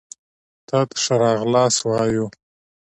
تاته ښه راغلاست وايو